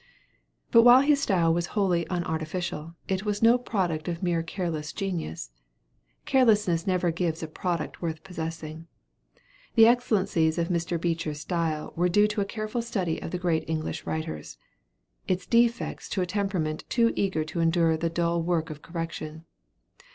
But while his style was wholly unartificial, it was no product of mere careless genius; carelessness never gives a product worth possessing. The excellences of Mr. Beecher's style were due to a careful study of the great English writers; its defects to a temperament too eager to endure the dull work of correction.